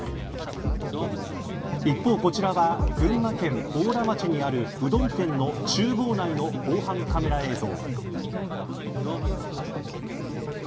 一方、こちらは群馬県邑楽町にあるうどん店の厨房内の防犯カメラ映像。